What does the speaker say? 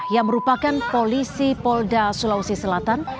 yang merupakan polisi polda sulawesi selatan